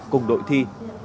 trong đội thi